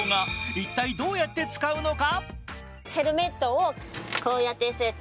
一体どうやって使うのか？